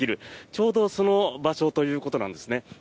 ちょうどその場所ということなんですね。